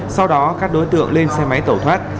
sau đó các đối tượng lên xe máy tẩu thoát